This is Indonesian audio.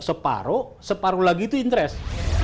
separoh separoh lagi itu interest